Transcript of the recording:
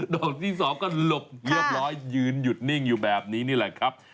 ดอกที่๒ก็หลบเรียบร้อยยืนหยุดนิ่งอยู่แบบนี้นี่แหละครับ